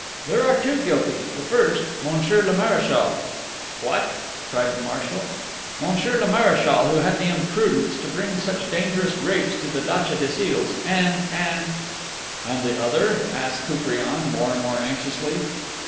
"There are two guilty. The first, Monsieur le Marechal." "What!" cried the Marshal. "Monsieur le Marechal, who had the imprudence to bring such dangerous grapes to the datcha des Iles, and and " "And the other?" asked Koupriane, more and more anxiously.